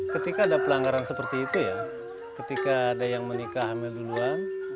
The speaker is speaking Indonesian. ketika ada pelanggaran seperti itu ya ketika ada yang menikah hamil duluan